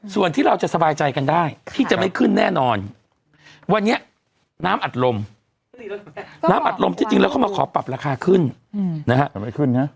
ส่วนที่เราจะสบายใจกันได้ที่จะไม่ขึ้นแน่นอนวันนี้น้ำอัดลมน้ำอัดลมที่จริงแล้วเขามาขอปรับราคาขึ้นนะฮะ